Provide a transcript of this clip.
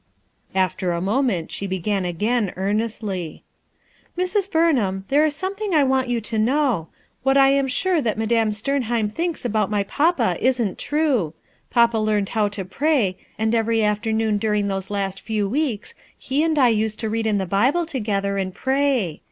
After a moment she began again, earnestly. "Mrs. Burnham, there is something I want you to know. "What I am sure that Madame Sternheim thinks about my papa isn't true. Papa learned how to pray; and every after noon during those last few weeks, he and I used to read in the Bible together, and pray.